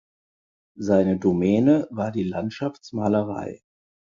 Seine Domäne war die Landschaftsmalerei.